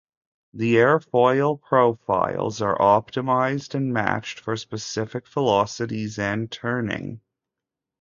The airfoil profiles are optimized and matched for specific velocities and turning.